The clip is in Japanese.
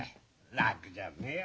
楽じゃねえや